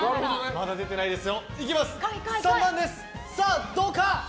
まだ出てないですよ。